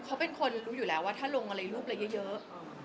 เขาเป็นคนรู้อยู่แล้วว่าถ้าลงอะไรรูปอะไรเยอะ